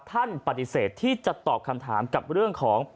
ท่านปฏิเสธที่จะตอบคำถามกับเรื่องของ